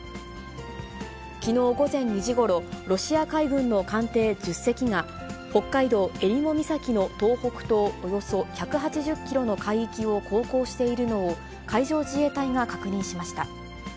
きのう午前２時ごろ、ロシア海軍の艦艇１０隻が、北海道襟裳岬の東北東およそ１８０キロの海域を航行しているのを、海上自衛隊が確認しました。